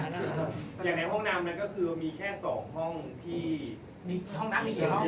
อย่างในห้องน้ำมันก็คือถือว่ามีแค่๒ห้องที่